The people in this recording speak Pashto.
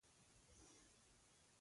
د زړونو احساسات ژورېږي